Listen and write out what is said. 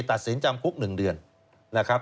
ตัดสินจำคุก๑เดือนนะครับ